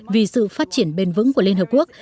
vì sự phát triển bền vững của liên hợp quốc